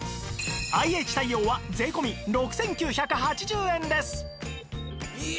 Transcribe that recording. ＩＨ 対応は税込６９８０円です